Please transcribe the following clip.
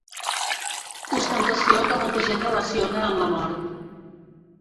Ostentació que molta gent relaciona amb la mort.